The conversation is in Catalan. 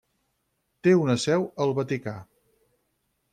Té una seu al Vaticà.